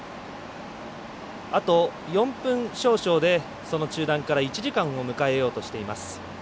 あと４分少々で、その中断から１時間を迎えようとしています。